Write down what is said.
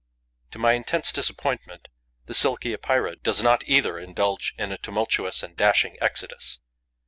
To my intense disappointment, the Silky Epeira does not either indulge in a tumultuous and dashing exodus.